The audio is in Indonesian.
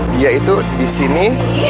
dia itu disini